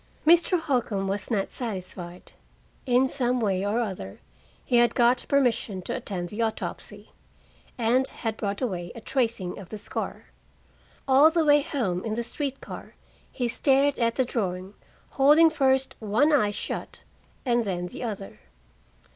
Mr. Holcombe was not satisfied. In some way or other he had got permission to attend the autopsy, and had brought away a tracing of the scar. All the way home in the street car he stared at the drawing, holding first one eye shut and then the other.